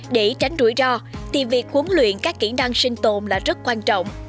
để tránh rủi ro thì việc huấn luyện các kỹ năng sinh tồn là rất quan trọng